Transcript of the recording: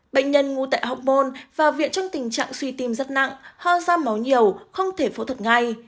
bệnh nhân ngủ tại học môn và viện trong tình trạng suy tim rất nặng ho ra máu nhiều không thể phẫu thuật ngay